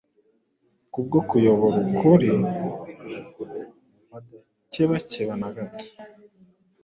Kubwo kuyoboka ukuri badakebakeba na gato,